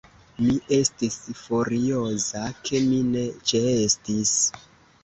Mi estis furioza, ke mi ne ĉeestis.